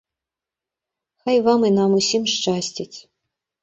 Хай вам і нам ўсім шчасціць!